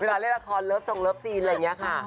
เล่นละครเลิฟทรงเลิฟซีนอะไรอย่างนี้ค่ะ